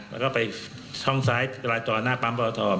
แล้วก็ไปช่องซ้ายเวลาจอหน้าปั๊มประวัติธรรม